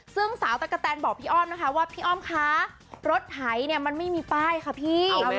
ซึ่งสาวตะกะแตนบอกพี่อ้อมนะคะว่าพี่อ้อมคะรถไถเนี่ยมันไม่มีป้ายค่ะพี่